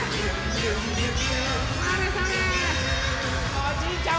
おじいちゃん